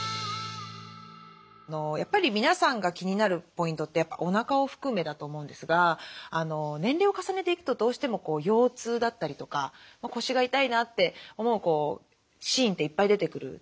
やっぱり皆さんが気になるポイントってやっぱおなかを含めだと思うんですが年齢を重ねていくとどうしても腰痛だったりとか腰が痛いなって思うシーンっていっぱい出てくると思うんですね。